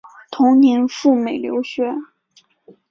同年赴美留学。